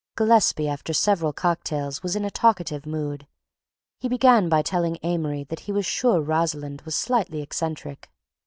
Gillespie after several cocktails was in a talkative mood; he began by telling Amory that he was sure Rosalind was slightly eccentric.